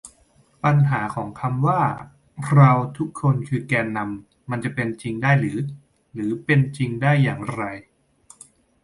ปัญหาของคำว่า "เราทุกคนคือแกนนำ" มันจะเป็นจริงได้หรือ หรือเป็นจริงได้อย่างไร